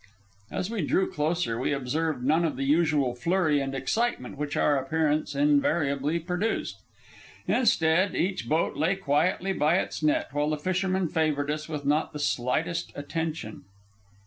As we drew closer, we observed none of the usual flurry and excitement which our appearance invariably produced. Instead, each boat lay quietly by its net, while the fishermen favored us with not the slightest attention.